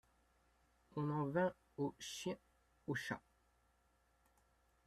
On en vint aux chiens, aux chats.